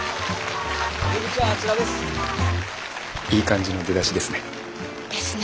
いい感じの出だしですね。ですね。